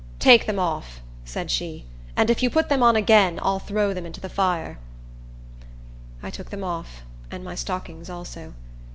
"Take them off," said she; "and if you put them on again, I'll throw them into the fire." I took them off, and my stockings also.